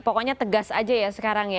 pokoknya tegas saja ya sekarang